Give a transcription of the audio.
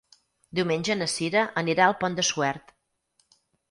Diumenge na Cira anirà al Pont de Suert.